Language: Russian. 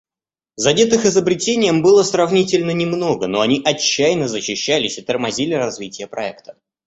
Задетых изобретением было сравнительно немного, но они отчаянно защищались и тормозили развитие проекта.